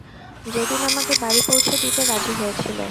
যেদিন আমাকে বাড়ি পৌঁছে দিতে রাজি হয়েছিলেন।